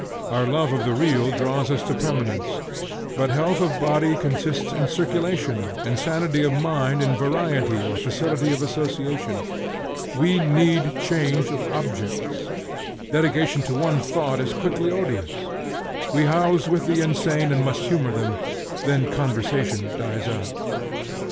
Our love of the real draws us to permanence, but health of body consists in circulation, and sanity of mind in variety or facility of association. We need change of objects. Dedication to one thought is quickly odious. We house with the insane, and must humor them; then conversation dies out.